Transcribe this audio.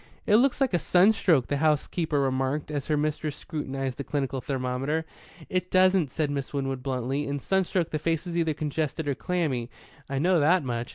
"It looks like a sunstroke," the housekeeper remarked, as her mistress scrutinized the clinical thermometer. "It doesn't," said Miss Winwood bluntly. "In sunstroke the face is either congested or clammy. I know that much.